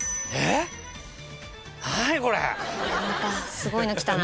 すごいのきたな。